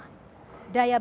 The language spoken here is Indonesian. ketiga punya mpp